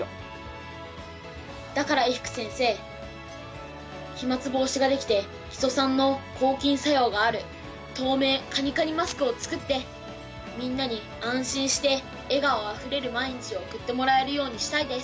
だから伊福先生飛まつ防止ができてキトサンの抗菌作用がある透明カニカニマスクを作ってみんなに安心して笑顔あふれる毎日を送ってもらえるようにしたいです。